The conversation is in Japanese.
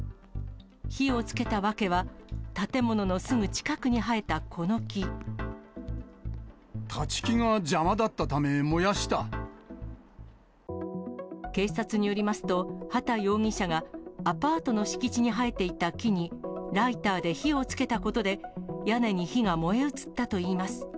火をつけた訳は、立ち木が邪魔だったため、警察によりますと、畑容疑者がアパートの敷地に生えていた木にライターで火をつけたことで、屋根に火が燃え移ったといいます。